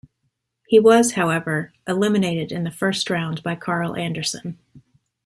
He was, however, eliminated in the first round by Karl Anderson.